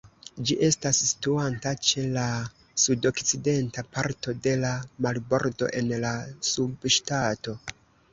Ĝi estas situanta ĉe la sudokcidenta parto de la marbordo en la subŝtato.